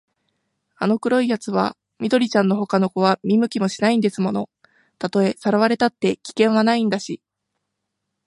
あの黒いやつは緑ちゃんのほかの子は見向きもしないんですもの。たとえさらわれたって、危険はないんだし、